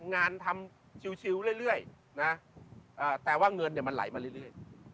งานทำชิวเรื่อยนะแต่ว่าเงินมันไหลมาเรื่อย